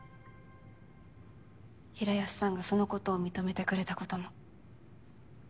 平安さんがそのことを認めてくれたことも。